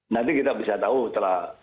nanti kita bisa tahu setelah